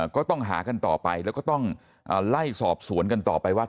ก็ต้องหากันต่อไปแล้วก็ต้องไล่สอบสวนกันต่อไปว่า